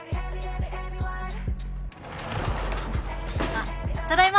あっただいま。